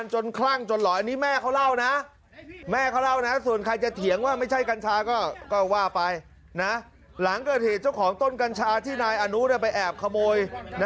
หลังเกิดเหตุเจ้าของต้นกัญชาที่นายอนุไปแอบขโมย